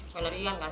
salah iyan kan